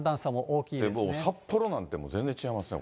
札幌なんて全然違いますね。